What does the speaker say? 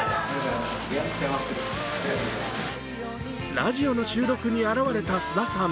ラジオの収録に表れた菅田さん。